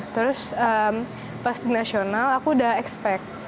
terus pas tim nasional aku udah expect